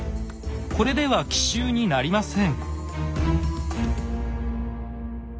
これでは奇襲になりません。